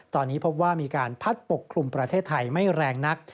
ตอนนี้พบว่ามีการพัดปกคลุมประเทศไทยไม่แรงนัก